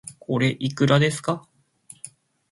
これ、いくらですか